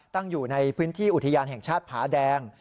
ตั้งอยู่ในพื้นที่อุทยานแห่งชาติผาแดง